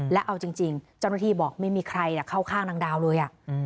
และเอาจริงเจ้าหน้าที่บอกไม่มีใครเข้าข้างนางดาวเลย